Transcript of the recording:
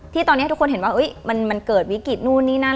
ที่ตอนนี้ทุกคนเห็นว่ามันเกิดวิกฤตนู่นนี่นั่น